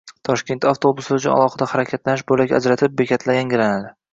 Toshkentda avtobuslar uchun alohida harakatlanish bo‘lagi ajratilib, bekatlar yangilanadi